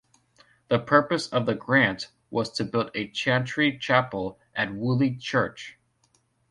The purpose of the grant was to build a chantry chapel at Woolley Church.